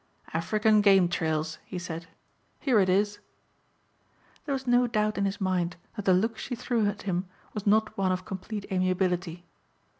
"'African Game Trails,'" he said, "here it is." There was no doubt in his mind that the look she threw at him was not one of complete amiability.